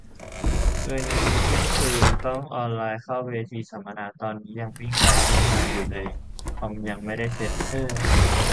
คืนนี้ เที่ยงคืน ต้องออนไลน์เข้าเวทีสัมมนา ตอนนี้ยังวิ่งไปวิ่งมาอยู่เลย คอมยังไม่ได้เซ็ต เฮ่อ